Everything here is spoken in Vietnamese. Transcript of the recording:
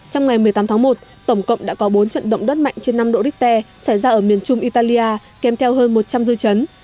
trong ngày một mươi tám tháng một tổng cộng đã có bốn trận động đất mạnh trên năm độ richter xảy ra ở miền trung italia kèm theo hơn một trăm linh dư chấn